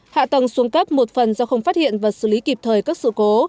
hạ tầng xuống cấp một phần do không phát hiện và xử lý kịp thời các sự cố